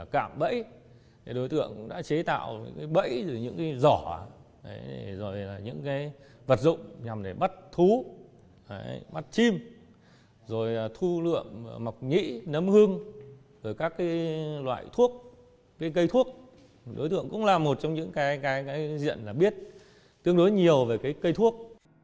khu lượm mọc nhĩ nấm hương rồi các loại thuốc cây thuốc đối tượng cũng là một trong những cái diện là biết tương đối nhiều về cây thuốc